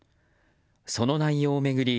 その内容を巡り